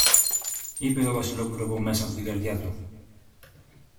είπε το Βασιλόπουλο από μέσα από την καρδιά του.